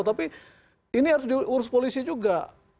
tapi ini harus diurus polisi juga